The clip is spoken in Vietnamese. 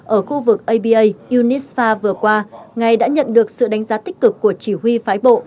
ở khu vực aba unisfa vừa qua ngày đã nhận được sự đánh giá tích cực của chỉ huy phái bộ